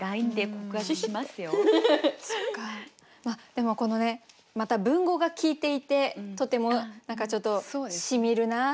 でもまた文語が効いていてとても何かちょっとしみるなあ。